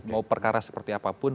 mau perkara seperti apapun